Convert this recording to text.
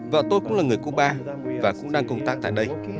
vợ tôi cũng là người cuba và cũng đang công tác tại đây